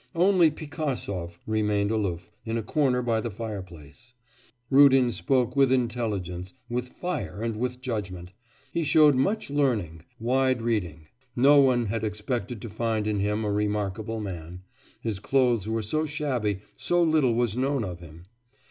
Only Pigasov remained aloof, in a corner by the fireplace. Rudin spoke with intelligence, with fire and with judgment; he showed much learning, wide reading. No one had expected to find in him a remarkable man. His clothes were so shabby, so little was known of him.